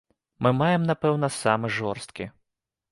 Мы маем, напэўна, самы жорсткі.